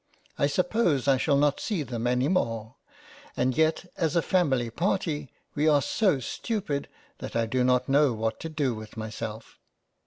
I suppose I shall not see them any more, and yet as a family party we are so stupid, that I do not know what to do with myself.